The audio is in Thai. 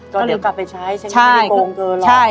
ก็เดี๋ยวกลับไปใช้ใช้ไม่ได้โปรงเกินหรอก